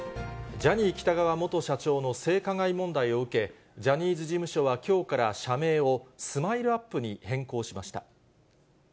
ジャニー喜多川元社長の性加害問題を受け、ジャニーズ事務所はきょうから社名をスマイルアップに変更しました。